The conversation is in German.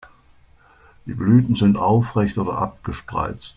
Die Blüten sind aufrecht oder abgespreizt.